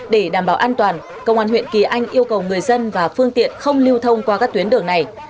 để đảm bảo an toàn công an huyện kỳ anh yêu cầu người dân và phương tiện không lưu thông qua các tuyến đường này